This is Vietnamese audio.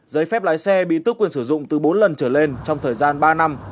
giấy phép lái xe bị tước quyền sử dụng từ bốn lần trở lên trong thời gian ba năm